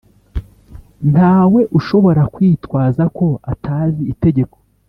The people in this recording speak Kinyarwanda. ntawe ushobora kwitwaza ko atazi itegeko